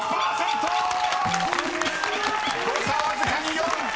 ［誤差わずかに４！］